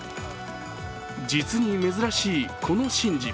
実に珍しいこの神事。